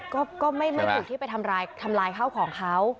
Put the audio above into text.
ก็ไม่ถูกที่ไปทำลายข้าวของเขา